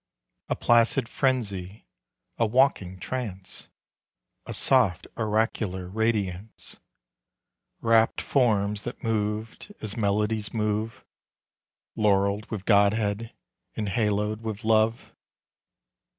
A placid frenzy, a waking trance, A soft oracular radiance, Wrapped forms that moved as melodies move, Laurelled with god head and halo'd with love.